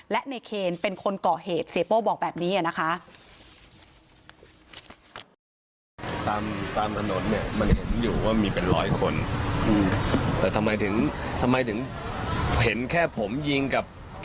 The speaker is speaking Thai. และในเคนเป็นคนก่อเหตุเสียโป้บอกแบบนี้นะคะ